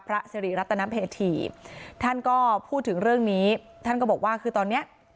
พระสิริรัตนเพธีท่านก็พูดถึงเรื่องนี้ท่านก็บอกว่าคือตอนเนี้ย